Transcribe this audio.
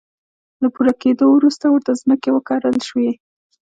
له پوره کېدو وروسته ورته ځمکې ورکړل شوې.